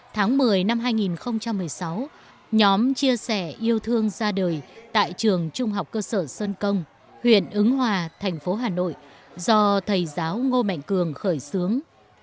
tháng một mươi năm hai nghìn một mươi sáu nhóm chia sẻ yêu thương ra đời tại trường trung học cơ sở sơn công huyện ứng hòa thành phố hà nội do thầy giáo ngô mạnh cường khởi xướng